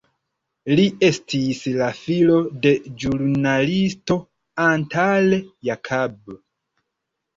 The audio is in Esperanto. Li estis la filo de ĵurnalisto Antal Jakab.